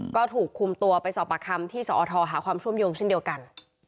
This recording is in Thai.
ก็ถูกคุมตัวไปสอบประคำที่สอทหาความเชื่อมโยงเช่นเดียวกัน